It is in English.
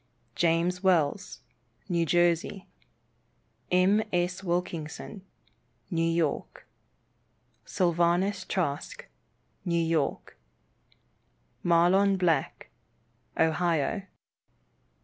James Wells, New Jersey. M. S. Wilkinson, New York. Sylvanus Trask, New York. Mahlon Black, Ohio.